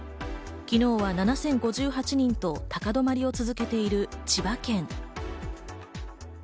昨日は７０５８人と、高止まりを続けている千葉県。